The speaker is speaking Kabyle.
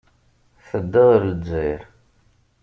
Tedda ɣer Lezzayer.